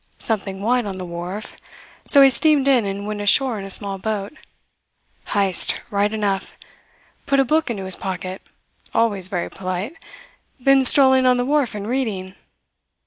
Something white on the wharf, so he steamed in and went ashore in a small boat. Heyst, right enough. Put a book into his pocket, always very polite. Been strolling on the wharf and reading.